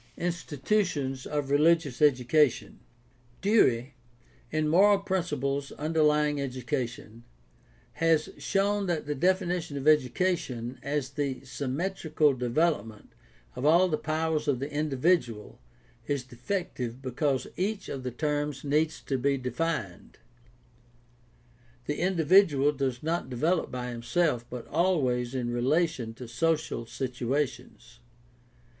INSTITUTIONS OF RELIGIOUS EDUCATION Dewey, in Moral Principles Underlying Education, has shown that the definition of education as the symmetrical" PRACTICAL THEOLOGY 651 development of all the powers of the individual is defective because each of the terms needs to be defined. The individual does not develop by himself but always in relation to social situations.